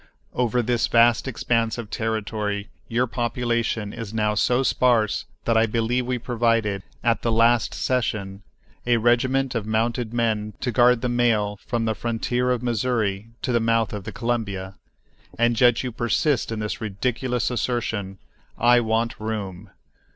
Over this vast expanse of territory your population is now so sparse that I believe we provided, at the last session, a regiment of mounted men to guard the mail from the frontier of Missouri to the mouth of the Columbia; and yet you persist in the ridiculous assertion, "I want room."